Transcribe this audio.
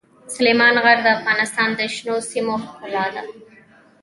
سلیمان غر د افغانستان د شنو سیمو ښکلا ده.